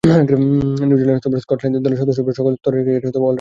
New Zealand cricket দলের সদস্যরূপে সকল স্তরের ক্রিকেটে অল-রাউন্ডার হিসেবে খেলেছেন।